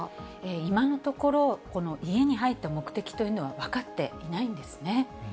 今のところ、この家に入った目的というのは分かっていないんですね。